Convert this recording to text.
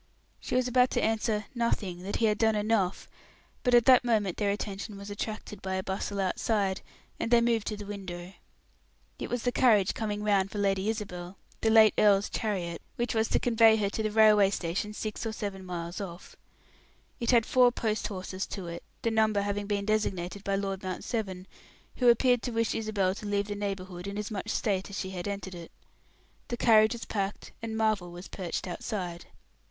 She was about to answer "Nothing that he had done enough," but at that moment their attention was attracted by a bustle outside, and they moved to the window. It was the carriage coming round for Lady Isabel the late earl's chariot, which was to convey her to the railway station six or seven miles off. It had four post horses to it, the number having been designated by Lord Mount Severn, who appeared to wish Isabel to leave the neighborhood in as much state as she had entered it. The carriage was packed, and Marvel was perched outside.